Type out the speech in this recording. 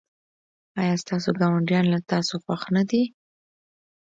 ایا ستاسو ګاونډیان له تاسو خوښ نه دي؟